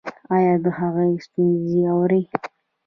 ایا د هغوی ستونزې اورئ؟